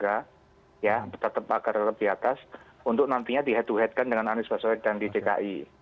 jadi mungkin akan ada resafel yang lebih beragam ya tetap akar lebih atas untuk nantinya di head to head kan dengan anies basoet dan di dki